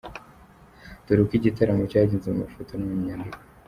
Dore uko igitaramo cyagenze mu mafoto no mu nyandiko.